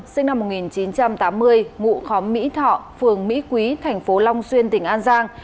sinh năm một nghìn chín trăm tám mươi ngụ khóm mỹ thọ phường mỹ quý thành phố long xuyên tỉnh an giang